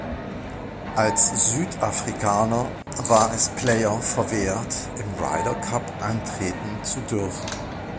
Als Südafrikaner war es Player verwehrt, im Ryder Cup antreten zu dürfen.